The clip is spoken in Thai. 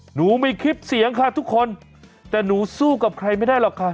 หนูมีคลิปเสียงค่ะทุกคนแต่หนูสู้กับใครไม่ได้หรอกค่ะ